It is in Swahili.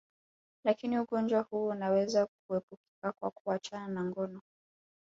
Lakini ugonjwa huu unaweza kuepukika kwa kuachana na ngono